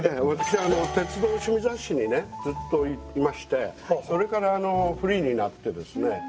私は鉄道の雑誌にねずっといましてそれからフリーになってですね。